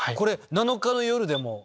７日の夜でも？